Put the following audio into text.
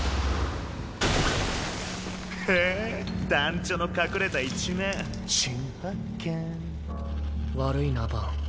へえ団ちょの隠れた一面新発見悪いなバン。